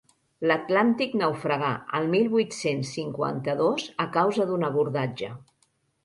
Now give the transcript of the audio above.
L'«Atlàntic» naufragà el mil vuit-cents cinquanta-dos a causa d'un abordatge.